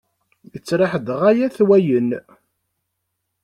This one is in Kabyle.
Yettraḥ-d ɣaya-t wayen!